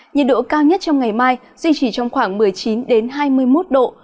nhiệt độ cao nhất trong ngày mai duy trì trong khoảng một mươi chín hai mươi một độ